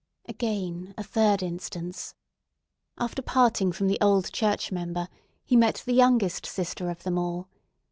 Again, a third instance. After parting from the old church member, he met the youngest sister of them all.